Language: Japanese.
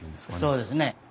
そうですね。